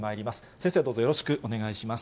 先生、どうぞよろしくお願いします。